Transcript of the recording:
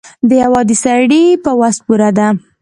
د یو عادي سړي په وس پوره ده.